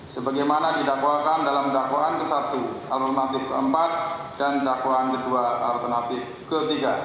sebagaimana didakwakan dalam dakwaan ke satu alternatif ke empat dan dakwaan ke dua alternatif ke tiga